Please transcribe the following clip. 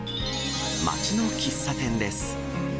街の喫茶店です。